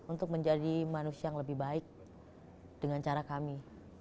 untuk menjadi manusia yang lebih baik dengan cara kami